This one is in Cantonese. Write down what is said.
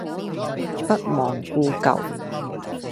不忘故舊